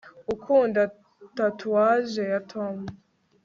ukunda tatouage ya tom